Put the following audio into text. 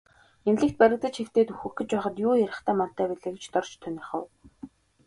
Эмнэлэгт баригдаж хэвтээд үхэх гэж байхад юу ярихтай мантай билээ гэж Дорж тунирхав.